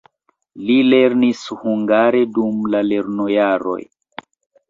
Li lernis hungare dum la lernojaroj.